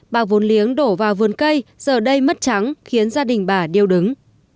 bà vốn liếng đổ vào vườn cây giờ đây mất trắng khiến gia đình bà điêu đứng